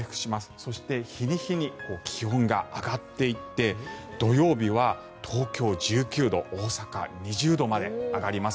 そして日に日に気温が上がっていって土曜日は東京、１９度大阪、２０度まで上がります。